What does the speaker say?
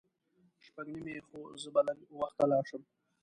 شپږ نیمې خو زه به لږ وخته لاړ شم.